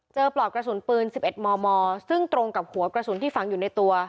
ปลอกกระสุนปืน๑๑มมซึ่งตรงกับหัวกระสุนที่ฝังอยู่ในตัว